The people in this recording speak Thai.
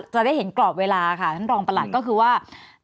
จะได้เห็นกรอบเวลาค่ะท่านรองประหลัดก็คือว่า